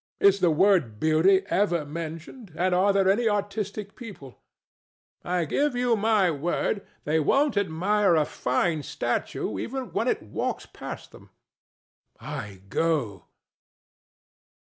Is the word beauty ever mentioned; and are there any artistic people? THE STATUE. I give you my word they won't admire a fine statue even when it walks past them. DON JUAN. I go.